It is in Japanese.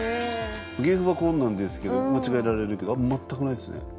芸風はこんなんですけど間違えられるけど全くないですね。